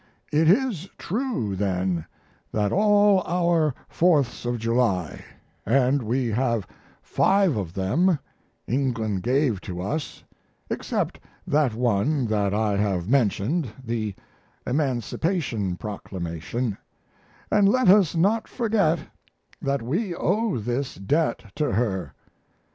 It is true, then, that all our Fourths of July, and we have five of them, England gave to us, except that one that I have mentioned the Emancipation Proclamation; and let us not forget that we owe this debt to her.